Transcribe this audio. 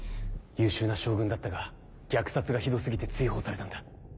優秀な将軍だったが虐殺がひど過ぎて追放されたんだ。